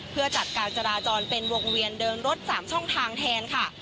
เพื่อจัดการจราจรเป็นวงเวียนเดินรถ๓ช่องทางแทนค่ะ